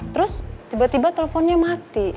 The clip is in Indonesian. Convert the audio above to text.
terus tiba tiba teleponnya mati